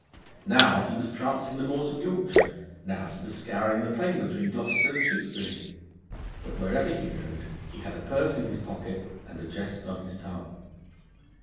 Now he was prancing the moors of Yorkshire, now he was scouring the plain between Gloucester and Tewkesbury, but wherever he rode, he had a purse in his pocket and a jest on his tongue.